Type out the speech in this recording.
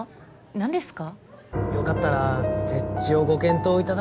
何ですか？